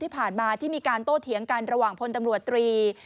ที่ผ่านมาที่มีการโต้เถียงกันระหว่างพลตำรวจตรี